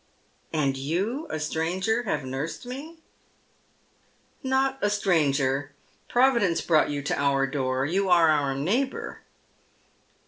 " And you — a stranger — have nursed me ?"" Not a stranger. Providence brought you to our door ; you are our neighbour."